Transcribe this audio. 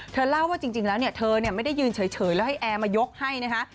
เล่าว่าจริงแล้วเนี่ยเธอไม่ได้ยืนเฉยแล้วให้แอร์มายกให้นะคะ